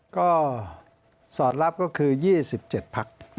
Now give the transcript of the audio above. ก็สอดรับก็คือ๒๗พัก